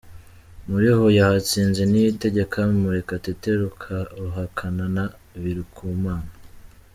Muri Huye hatsinze niyitegeka, Murekatete, Ruhakana na Birikumana.